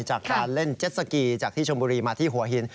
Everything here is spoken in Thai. จากการเล่นเจ็ดสกีจากที่ชมบุรีมาที่หัวหิน